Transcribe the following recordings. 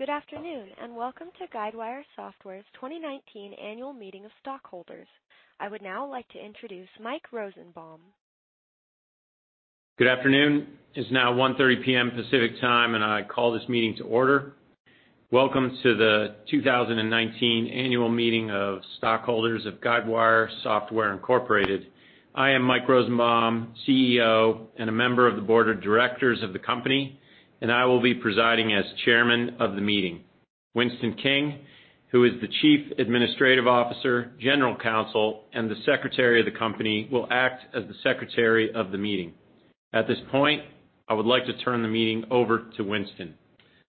Good afternoon, and welcome to Guidewire Software's 2019 Annual Meeting of Stockholders. I would now like to introduce Mike Rosenbaum. Good afternoon. It is now 1:30 P.M. Pacific Time, and I call this meeting to order. Welcome to the 2019 Annual Meeting of Stockholders of Guidewire Software, Inc. I am Mike Rosenbaum, CEO and a member of the Board of Directors of the company, and I will be presiding as chairman of the meeting. Winston King, who is the Chief Administrative Officer, General Counsel, and the Secretary of the company, will act as the secretary of the meeting. At this point, I would like to turn the meeting over to Winston.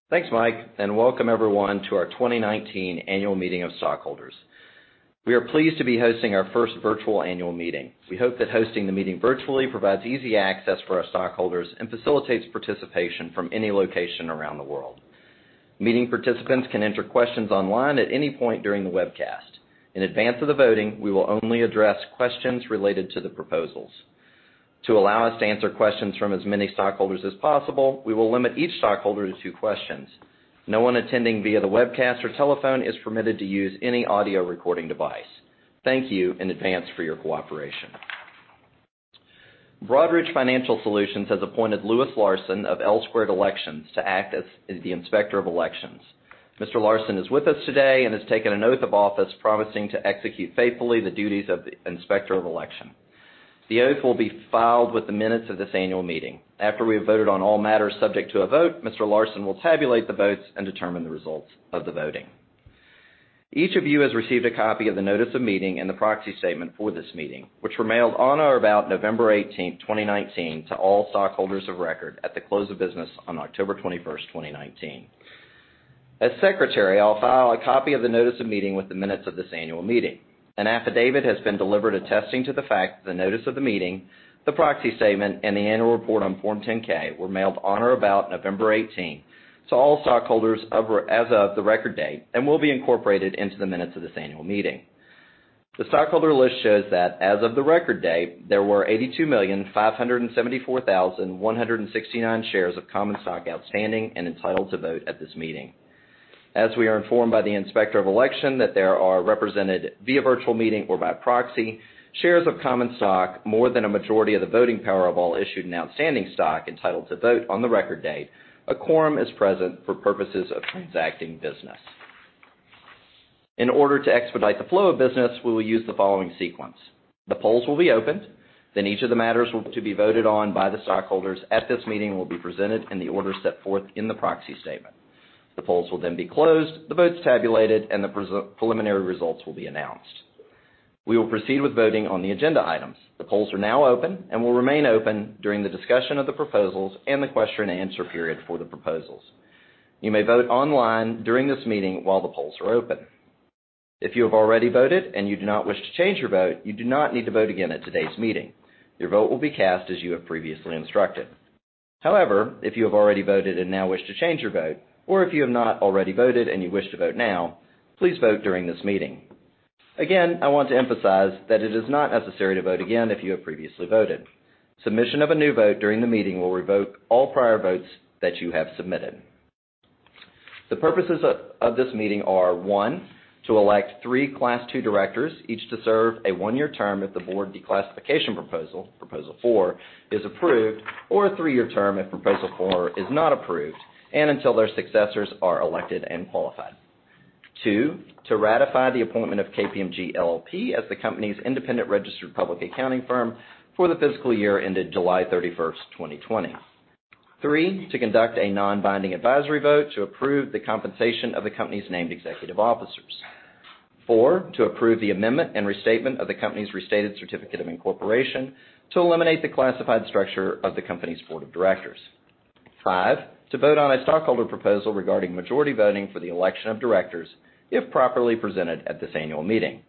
Thanks, Mike, and welcome everyone to our 2019 Annual Meeting of Stockholders. We are pleased to be hosting our first virtual annual meeting. We hope that hosting the meeting virtually provides easy access for our stockholders and facilitates participation from any location around the world. Meeting participants can enter questions online at any point during the webcast. In advance of the voting, we will only address questions related to the proposals. To allow us to answer questions from as many stockholders as possible, we will limit each stockholder to two questions. No one attending via the webcast or telephone is permitted to use any audio recording device. Thank you in advance for your cooperation. Broadridge Financial Solutions has appointed Louis Larson of L-Squared Elections to act as the Inspector of Elections. Mr. Larson is with us today and has taken an oath of office promising to execute faithfully the duties of the Inspector of Election. The oath will be filed with the minutes of this annual meeting. After we have voted on all matters subject to a vote, Mr. Larson will tabulate the votes and determine the results of the voting. Each of you has received a copy of the notice of meeting and the proxy statement for this meeting, which were mailed on or about November 18th, 2019, to all stockholders of record at the close of business on October 21st, 2019. As secretary, I'll file a copy of the notice of meeting with the minutes of this annual meeting. An affidavit has been delivered attesting to the fact that the notice of the meeting, the proxy statement, and the annual report on Form 10-K were mailed on or about November 18 to all stockholders as of the record date and will be incorporated into the minutes of this annual meeting. The stockholder list shows that as of the record date, there were 82,574,169 shares of common stock outstanding and entitled to vote at this meeting. As we are informed by the Inspector of Election that there are represented via virtual meeting or by proxy shares of common stock, more than a majority of the voting power of all issued and outstanding stock entitled to vote on the record date, a quorum is present for purposes of transacting business. In order to expedite the flow of business, we will use the following sequence. The polls will be opened, then each of the matters to be voted on by the stockholders at this meeting will be presented in the order set forth in the proxy statement. The polls will then be closed, the votes tabulated, and the preliminary results will be announced. We will proceed with voting on the agenda items. The polls are now open and will remain open during the discussion of the proposals and the question and answer period for the proposals. You may vote online during this meeting while the polls are open. If you have already voted and you do not wish to change your vote, you do not need to vote again at today's meeting. Your vote will be cast as you have previously instructed. However, if you have already voted and now wish to change your vote, or if you have not already voted and you wish to vote now, please vote during this meeting. Again, I want to emphasize that it is not necessary to vote again if you have previously voted. Submission of a new vote during the meeting will revoke all prior votes that you have submitted. The purposes of this meeting are, one, to elect three Class 2 directors, each to serve a one-year term if the board declassification proposal, Proposal Four, is approved, or a three-year term if Proposal Four is not approved, and until their successors are elected and qualified. Two, to ratify the appointment of KPMG LLP as the company's independent registered public accounting firm for the fiscal year ended July 31st, 2020. Three, to conduct a non-binding advisory vote to approve the compensation of the company's named executive officers. Four, to approve the amendment and restatement of the company's restated certificate of incorporation to eliminate the classified structure of the company's board of directors. Five, to vote on a stockholder proposal regarding majority voting for the election of directors, if properly presented at this annual meeting.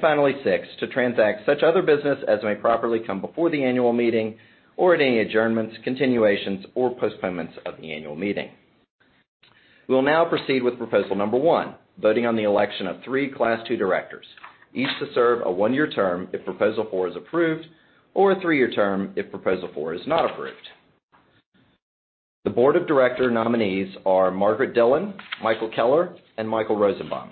Finally, six, to transact such other business as may properly come before the annual meeting or at any adjournments, continuations, or postponements of the annual meeting. We will now proceed with Proposal Number one, voting on the election of three Class II directors, each to serve a one-year term if Proposal Four is approved or a three-year term if Proposal Four is not approved. The board of director nominees are Margaret Dillon, Michael Keller, and Michael Rosenbaum.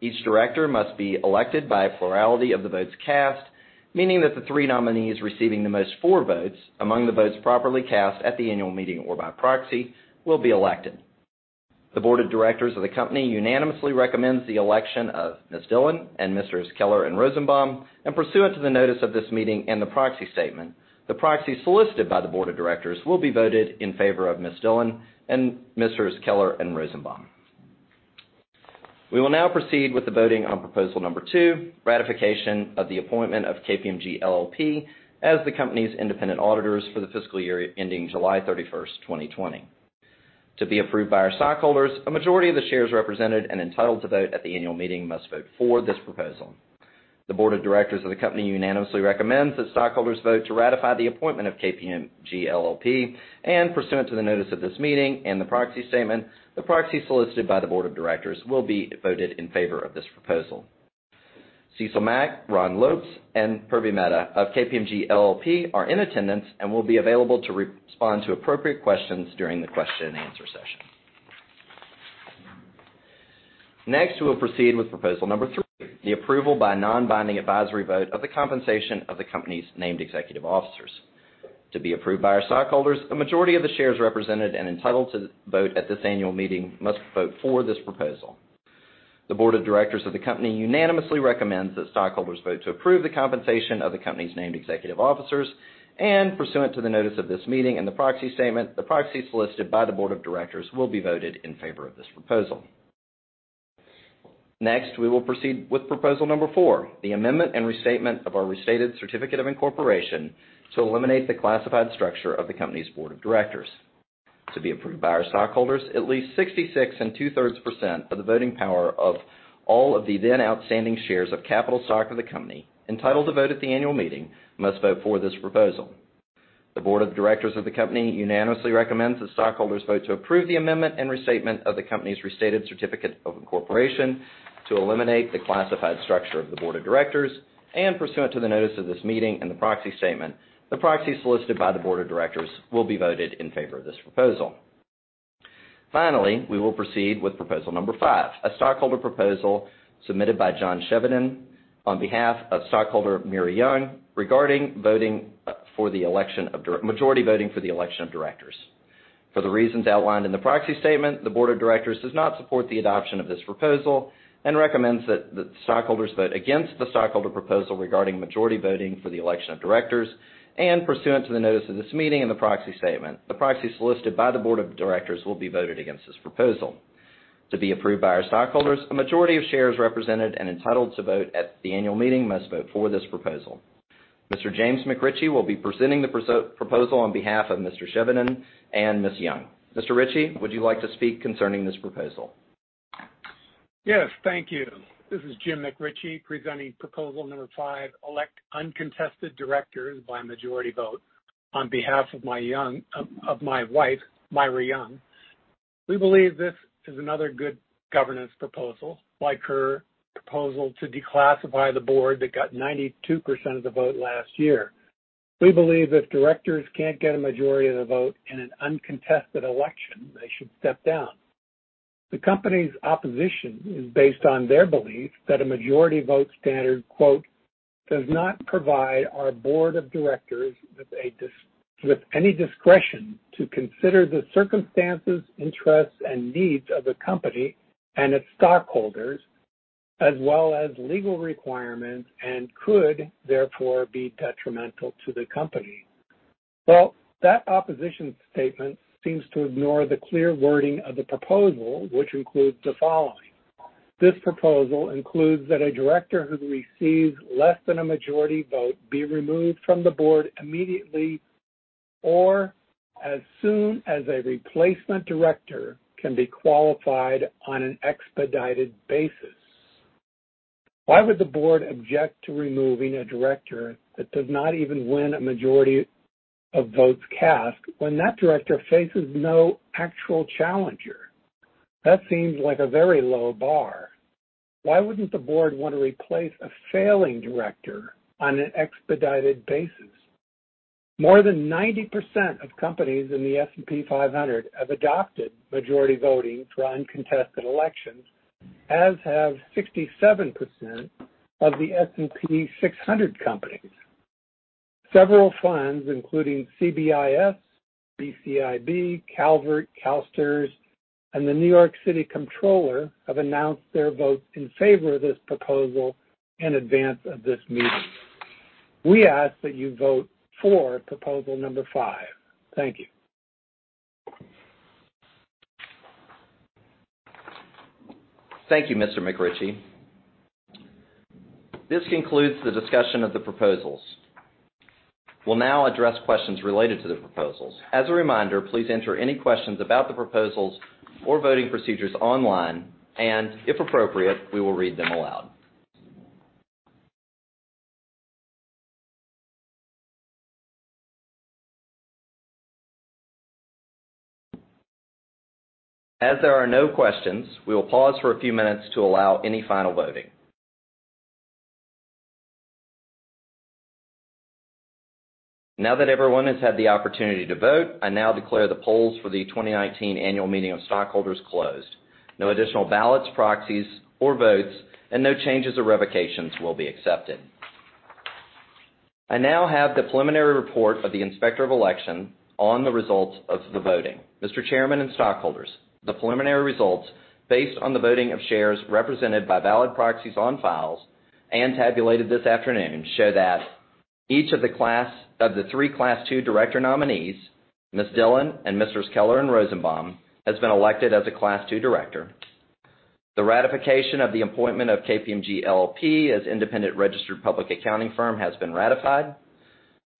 Each director must be elected by a plurality of the votes cast, meaning that the three nominees receiving the most For votes among the votes properly cast at the annual meeting or by proxy will be elected. The board of directors of the company unanimously recommends the election of Ms. Dillon and Messrs. Keller and Rosenbaum, and pursuant to the notice of this meeting and the proxy statement, the proxies solicited by the board of directors will be voted in favor of Ms. Dillon and Messrs. Keller and Rosenbaum. We will now proceed with the voting on Proposal Number two, ratification of the appointment of KPMG LLP as the company's independent auditors for the fiscal year ending July 31st, 2020. To be approved by our stockholders, a majority of the shares represented and entitled to vote at the annual meeting must vote for this proposal. The board of directors of the company unanimously recommends that stockholders vote to ratify the appointment of KPMG LLP, and pursuant to the notice of this meeting and the proxy statement, the proxies solicited by the board of directors will be voted in favor of this proposal. Cecil Mack, Ron Lotz, and Purvi Mehta of KPMG LLP are in attendance and will be available to respond to appropriate questions during the question and answer session. We will proceed with proposal number three, the approval by non-binding advisory vote of the compensation of the company's named executive officers. To be approved by our stockholders, a majority of the shares represented and entitled to vote at this annual meeting must vote for this proposal. The board of directors of the company unanimously recommends that stockholders vote to approve the compensation of the company's named executive officers, and pursuant to the notice of this meeting and the proxy statement, the proxies solicited by the board of directors will be voted in favor of this proposal. Next, we will proceed with proposal number 4, the amendment and restatement of our restated certificate of incorporation to eliminate the classified structure of the company's board of directors. To be approved by our stockholders, at least 66 and two-thirds % of the voting power of all of the then outstanding shares of capital stock of the company, entitled to vote at the annual meeting, must vote for this proposal. The board of directors of the company unanimously recommends that stockholders vote to approve the amendment and restatement of the company's restated certificate of incorporation to eliminate the classified structure of the board of directors, and pursuant to the notice of this meeting and the proxy statement, the proxies solicited by the board of directors will be voted in favor of this proposal. Finally, we will proceed with proposal number 5, a stockholder proposal submitted by John Chevedden on behalf of stockholder Myra Young regarding majority voting for the election of directors. For the reasons outlined in the proxy statement, the board of directors does not support the adoption of this proposal and recommends that the stockholders vote against the stockholder proposal regarding majority voting for the election of directors, and pursuant to the notice of this meeting and the proxy statement, the proxies solicited by the board of directors will be voted against this proposal. To be approved by our stockholders, a majority of shares represented and entitled to vote at the annual meeting must vote for this proposal. Mr. James McRitchie will be presenting the proposal on behalf of Mr. Chevedden and Ms. Young. Mr. McRitchie, would you like to speak concerning this proposal? Yes. Thank you. This is Jim McRitchie presenting proposal number five, elect uncontested directors by majority vote on behalf of my wife, Myra Young. We believe this is another good governance proposal, like her proposal to declassify the board that got 92% of the vote last year. We believe if directors can't get a majority of the vote in an uncontested election, they should step down. The company's opposition is based on their belief that a majority vote standard, quote, "Does not provide our board of directors with any discretion to consider the circumstances, interests, and needs of the company and its stockholders, as well as legal requirements, and could therefore be detrimental to the company." Well, that opposition statement seems to ignore the clear wording of the proposal, which includes the following: this proposal includes that a director who receives less than a majority vote be removed from the board immediately or as soon as a replacement director can be qualified on an expedited basis. Why would the board object to removing a director that does not even win a majority of votes cast when that director faces no actual challenger? That seems like a very low bar. Why wouldn't the board want to replace a failing director on an expedited basis? More than 90% of companies in the S&P 500 have adopted majority voting for uncontested elections, as have 67% of the S&P 600 companies. Several funds, including CBIS, [BCIB], Calvert, CalSTRS, and the New York City Comptroller, have announced their votes in favor of this proposal in advance of this meeting. We ask that you vote for proposal number five. Thank you. Thank you, Mr. McRitchie. This concludes the discussion of the proposals. We'll now address questions related to the proposals. As a reminder, please enter any questions about the proposals or voting procedures online, and if appropriate, we will read them aloud. As there are no questions, we will pause for a few minutes to allow any final voting. Now that everyone has had the opportunity to vote, I now declare the polls for the 2019 annual meeting of stockholders closed. No additional ballots, proxies, or votes, and no changes or revocations will be accepted. I now have the preliminary report of the Inspector of Election on the results of the voting. Mr. Chairman and stockholders, the preliminary results, based on the voting of shares represented by valid proxies on files and tabulated this afternoon, show that each of the three class 2 director nominees, Ms. Dillon and Misters Keller and Rosenbaum, has been elected as a class 2 director. The ratification of the appointment of KPMG LLP as independent registered public accounting firm has been ratified.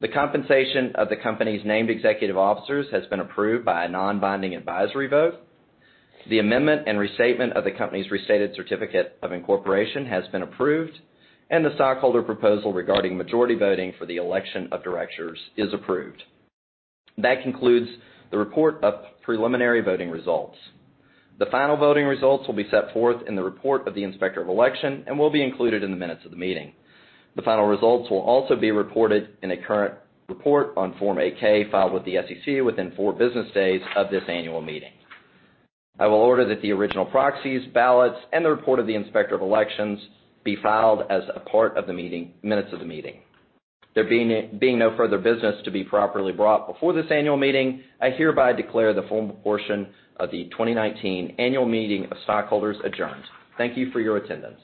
The compensation of the company's named executive officers has been approved by a non-binding advisory vote. The amendment and restatement of the company's restated certificate of incorporation has been approved. The stockholder proposal regarding majority voting for the election of directors is approved. That concludes the report of preliminary voting results. The final voting results will be set forth in the report of the Inspector of Election and will be included in the minutes of the meeting. The final results will also be reported in a current report on Form 8-K filed with the SEC within four business days of this annual meeting. I will order that the original proxies, ballots, and the report of the Inspector of Elections be filed as a part of the minutes of the meeting. There being no further business to be properly brought before this annual meeting, I hereby declare the formal portion of the 2019 annual meeting of stockholders adjourned. Thank you for your attendance.